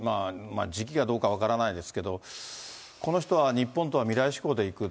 時期がどうか分からないですけど、この人は日本とは未来志向でいく。